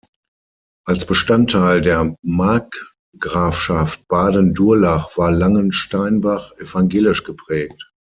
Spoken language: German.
Als Bestandteil der Markgrafschaft Baden-Durlach war Langensteinbach evangelisch geprägt.